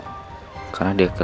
saya akan mencari kembali